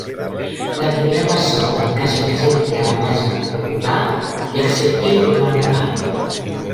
La primera persona que es presenti a la mesa per a votar i accepti formar-ne part.